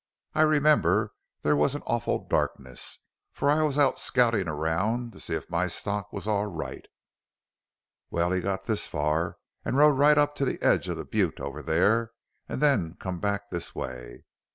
I remember there was an awful darkness, for I was out scoutin' around to see if my stock was all right. Well, he got this far rode right up to the edge of the butte over there an' then come back this way.